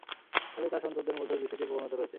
ফলে তাঁর সন্তানদের মধ্যেও বিস্মৃতির প্রবণতা রয়েছে।